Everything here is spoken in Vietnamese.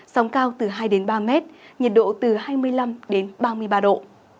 nóng cao từ hai ba mét nhiệt độ từ hai mươi năm ba mươi ba độ